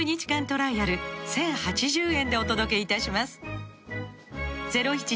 トライアル１０８０円でお届けいたします